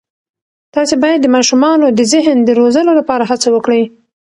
تاسې باید د ماشومانو د ذهن د روزلو لپاره هڅه وکړئ.